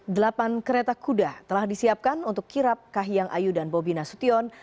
delapan kereta kuda telah disiapkan untuk kirap kahiyang ayu dan bobi nasution